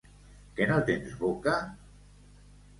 Que no tens boca?